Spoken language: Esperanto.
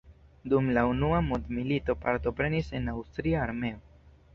Dum la unua mondmilito partoprenis en aŭstria armeo.